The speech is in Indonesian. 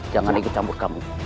jangan ikut campur kamu